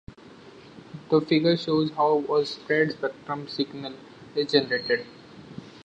The figure shows how a spread-spectrum signal is generated.